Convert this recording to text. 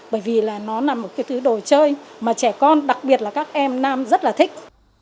bởi vì là nó là một cái thứ đồ chơi mà trẻ con đặc biệt là các em nam rất là thích